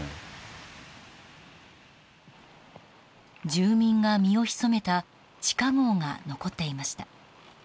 住民が身を潜めた地下壕が残っていました。